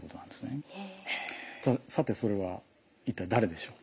さてそれは一体誰でしょう？